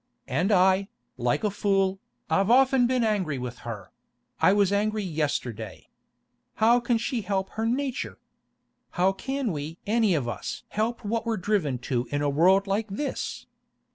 And I, like a fool, I've often been angry with her; I was angry yesterday. How can she help her nature? How can we any of us help what we're driven to in a world like this?